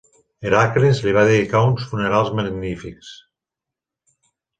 Hèracles li va dedicar uns funerals magnífics.